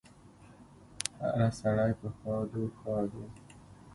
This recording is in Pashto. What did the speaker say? هره سړی په ښادو، ښادو